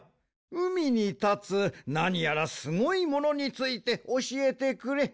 うみにたつなにやらすごいものについておしえてくれ。